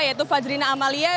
yaitu fadrina amalia